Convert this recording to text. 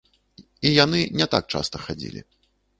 І яны не так часта хадзілі.